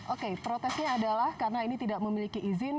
oke protesnya adalah karena ini tidak memiliki izin